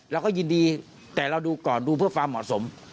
เราก็ยินดีแต่เราดูก่อนดูเพื่อความเหมาะสม